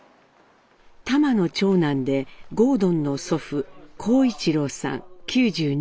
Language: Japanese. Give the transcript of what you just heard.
タマの長男で郷敦の祖父公一郎さん９２歳。